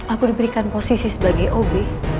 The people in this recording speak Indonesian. aku diberikan posisi sebagai obe